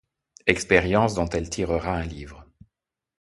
Expérience dont elle tirera un livre.